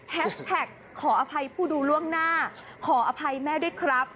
แท็กขออภัยผู้ดูล่วงหน้าขออภัยแม่ด้วยครับ